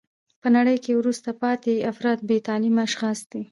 په نړۍ کښي وروسته پاته افراد بې تعلیمه اشخاص دي.